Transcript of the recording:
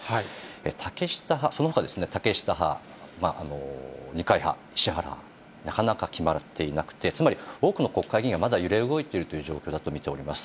竹下派、そのほか竹下派、二階派、石原派、なかなか決まっていなくて、つまり、多くの国会議員はまだ揺れ動いているという状況だと見ております。